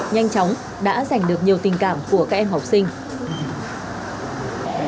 nhanh chóng đã giành được nhiều tình cảm của các em học sinh